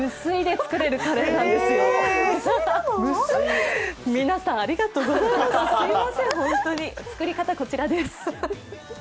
作り方、こちらです。